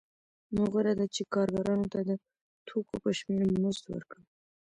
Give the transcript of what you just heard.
نو غوره ده چې کارګرانو ته د توکو په شمېر مزد ورکړم